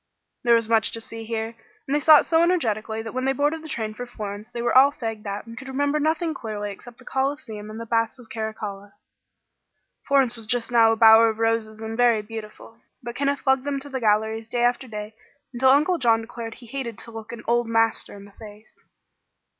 There was much to see here, and they saw it so energetically that when they boarded the train for Florence they were all fagged out and could remember nothing clearly except the Coliseum and the Baths of Carracalla. Florence was just now a bower of roses and very beautiful. But Kenneth lugged them to the galleries day after day until Uncle John declared he hated to look an "old master" in the face.